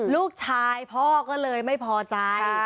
ลูกชายพ่อก็เลยไม่พอใจ